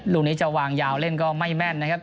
ลูกนี้จะวางยาวเล่นก็ไม่แม่นนะครับ